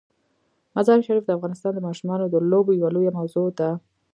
مزارشریف د افغانستان د ماشومانو د لوبو یوه لویه موضوع ده.